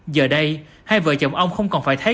giờ đây hai vợ chồng ông không còn phải thấy